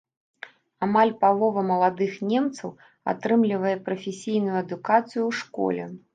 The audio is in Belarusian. Амаль палова маладых немцаў атрымлівае прафесійную адукацыю ў школе.